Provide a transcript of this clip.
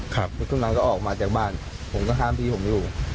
ช่วงนั้นก็ออกมาจากบ้านผมก็ห้ามพี่ผมอยู่